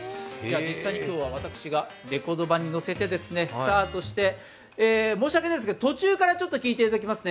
実際に今日は私がレコード盤にのせてスタートして、申し訳ないですが、途中から聴いていただきます。